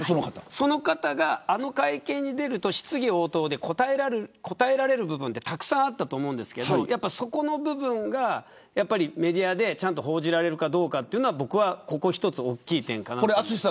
その方があの会見に行くと質疑応答で答えられる部分ってたくさんあったと思うんですけどそこの部分がメディアでちゃんと報じられるかどうかが一つ大きい点かなと。